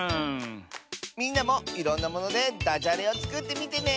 みんなもいろんなものでダジャレをつくってみてね。